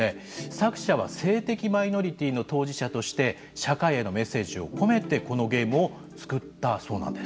作者は性的マイノリティーの当事者として社会へのメッセージを込めてこのゲームを作ったそうなんです。